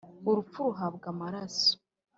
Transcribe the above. urupfu ruhabwa amaraso